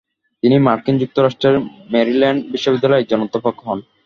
তিনি মার্কিন যুক্তরাষ্ট্রের ম্যারিল্যান্ড বিশ্ববিদ্যালয়ের একজন অধ্যাপক হন।